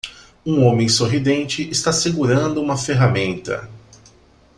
Um homem sorridente está segurando uma ferramenta.